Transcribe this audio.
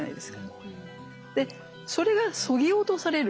でそれがそぎ落とされる。